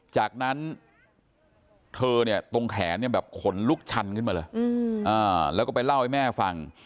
จากนั้นเธอเนี่ยตรงแขนเนี่ยแบบขนลุกชันขึ้นมาเลยแล้วก็ไปเล่าให้แม่ฟัง